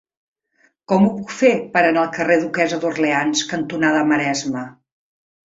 Com ho puc fer per anar al carrer Duquessa d'Orleans cantonada Maresme?